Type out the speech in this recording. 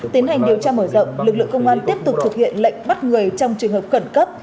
tiến hành điều tra mở rộng lực lượng công an tiếp tục thực hiện lệnh bắt người trong trường hợp khẩn cấp